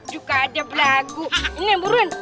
juga ada berlaku ini